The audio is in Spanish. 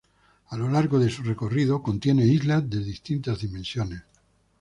A lo largo de su recorrido contiene islas de distintas dimensiones.